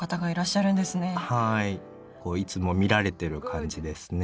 はいこういつも見られてる感じですね。